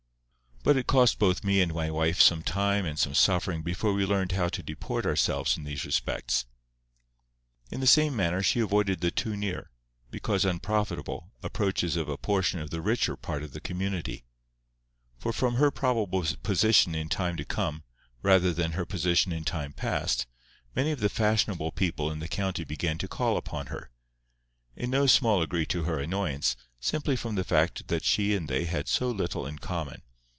But it cost both me and my wife some time and some suffering before we learned how to deport ourselves in these respects. In the same manner she avoided the too near, because unprofitable, approaches of a portion of the richer part of the community. For from her probable position in time to come, rather than her position in time past, many of the fashionable people in the county began to call upon her—in no small degree to her annoyance, simply from the fact that she and they had so little in common.